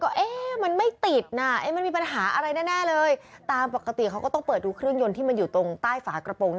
แล้วก็ตกใจกันแบบดึงร้อยเมตรไม่ทัน